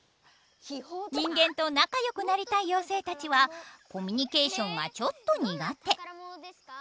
人間と仲よくなりたい妖精たちはコミュニケーションがちょっと苦手。